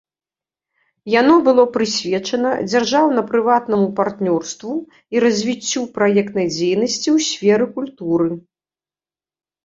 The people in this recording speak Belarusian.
Яно было прысвечана дзяржаўна-прыватнаму партнёрству і развіццю праектнай дзейнасці ў сферы культуры.